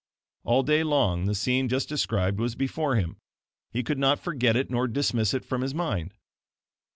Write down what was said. All day long the scene just described was before him. He could not forget it nor dismiss it from his mind.